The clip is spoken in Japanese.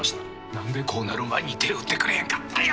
何でこうなる前に手打ってくれんかったんや。